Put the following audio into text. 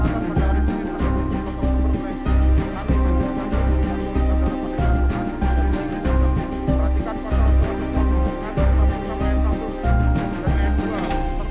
lima bn jakarta selatan atas nama terdakwa oleh bn samulisaya sma tersebut di atas